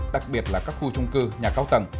đặc biệt là các khu trung cư nhà cao tầng